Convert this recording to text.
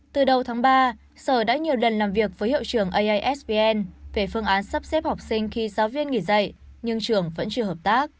từ đầu tháng ba sở đã nhiều lần làm việc với hiệu trường aisbn về phương án sắp xếp học sinh khi giáo viên nghỉ dạy nhưng trường vẫn chưa hợp tác